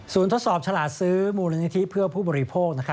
ทดสอบฉลาดซื้อมูลนิธิเพื่อผู้บริโภค